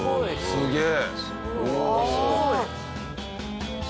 すげえ！